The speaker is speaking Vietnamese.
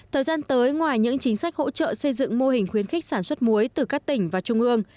thời gian tới ngoài những chính sách hỗ trợ xây dựng mô hình khuyến khích sản xuất muối từ các tỉnh và trung ương